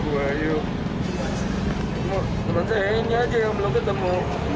wahyu teman saya ini aja yang belum ketemu